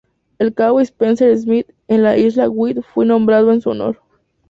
El cabo Spencer-Smith en la isla White fue nombrado en su honor.